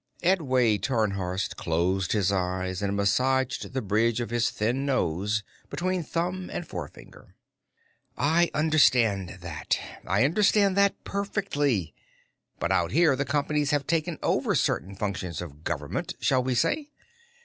Edway Tarnhorst closed his eyes and massaged the bridge of his thin nose between thumb and forefinger. "I understand that. I understand that perfectly. But out here, the Companies have taken over certain functions of government, shall we say?"